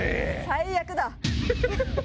最悪だ。